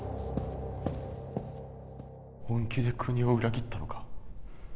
本気で国を裏切ったのか？